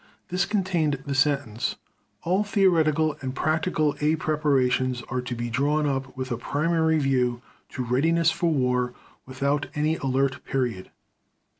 This contained the sentence: "All theoretical and practical A preparations are to be drawn up with a primary view to readiness for a war without any alert period."